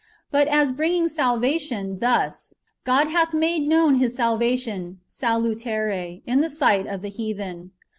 ^ But as bringing salvation, thus :'^ God hath made known His salvation (salutare) in the sight of the heathen."